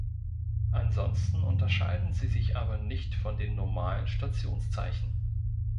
Ansonsten unterscheiden sie sich aber nicht von den normalen Stationszeichen.